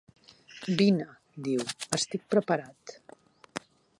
"Vine", diu; "estic preparat".